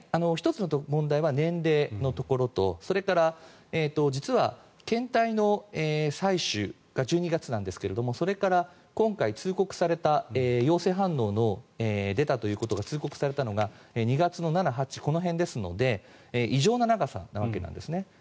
１つの問題は年齢のところとそれから実は検体の採取が１２月なんですがそれから今回、通告された陽性反応が出たというのが通告されたのが２月７、８日、この辺ですので異常な長さなわけなんですね。